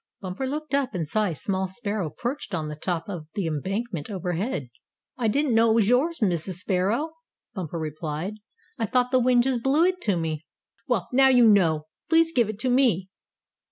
Bumper looked up, and saw a small sparrow perched on the top of the embankment over his head. "I didn't know it was yours, Mrs. Sparrow," Bumper replied. "I thought the wind just blew it to me." "Well, you know it now. Please give it to me."